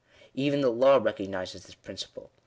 Even the law recognises this principle.